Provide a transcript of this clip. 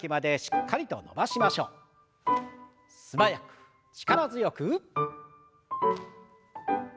素早く力強く。